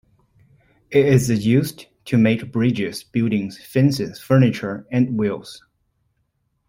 It is used to make bridges, buildings, fences, furniture and wheels.